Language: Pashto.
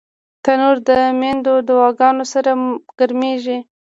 تنور د میندو دعاګانو سره ګرمېږي